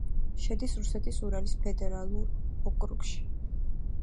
შედის რუსეთის ურალის ფედერალურ ოკრუგში.